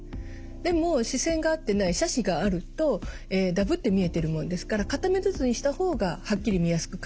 でも視線が合ってない斜視があるとダブって見えてるもんですから片目ずつにした方がはっきり見やすく感じるんですね。